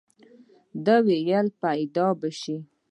ده وويل پيدا به شي.